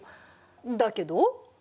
だけど？